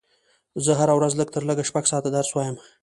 زه هره ورځ لږ تر لږه شپږ ساعته درس وایم